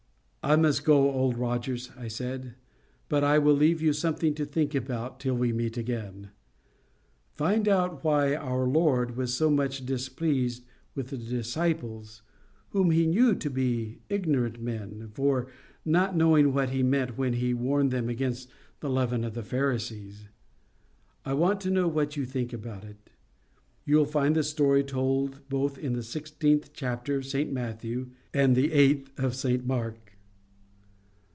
"I must go, Old Rogers," I said; "but I will leave you something to think about till we meet again. Find out why our Lord was so much displeased with the disciples, whom He knew to be ignorant men, for not knowing what He meant when He warned them against the leaven of the Pharisees. I want to know what you think about it. You'll find the story told both in the sixteenth chapter of St Matthew and the eighth of St Mark."